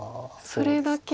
それだけ。